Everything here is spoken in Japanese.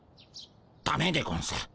ダメでゴンス。